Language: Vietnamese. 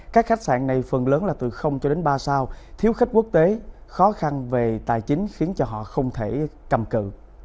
các khách sạn này phần lớn là từ cho đến ba sao thiếu khách quốc tế khó khăn về tài chính khiến cho họ không thể cầm cự